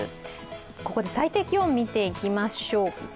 ここで最低気温見ていきましょうか。